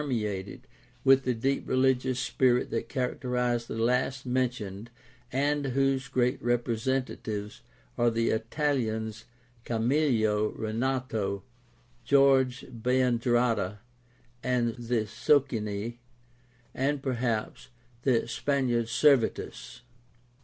eated with the deep religious spirit that characterized the last mentioned and whose great representatives are the Italians Camillo Renato, George Biandrata, the Socini, and, perhaps, the Spaniard Servetus.